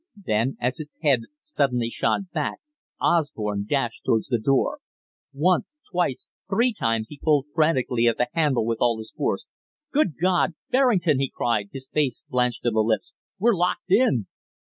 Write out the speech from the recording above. Then, as its head suddenly shot back, Osborne dashed towards the door. Once, twice, three times he pulled frantically at the handle with all his force. "Good God! Berrington," he cried, his face blanched to the lips, "we're locked in!"